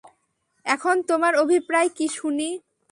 এখন তোমার অভিপ্রায় কী শুনি।